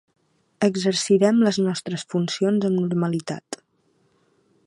Exercirem les nostres funcions amb normalitat.